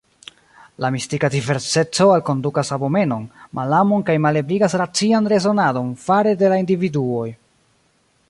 La mistika diverseco alkondukas abomenon, malamon kaj malebligas racian rezonadon fare de la individuoj.